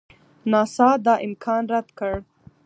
ناسا دا امکان رد کړ.